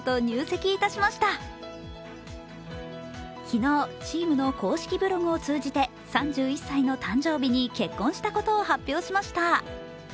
昨日、チームの公式ブログを通じて３１歳の誕生日に結婚したことを発表しました。